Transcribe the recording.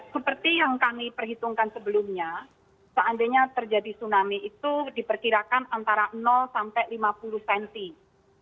seperti yang kami perhitungkan sebelumnya seandainya terjadi tsunami itu diperkirakan antara sampai lima puluh cm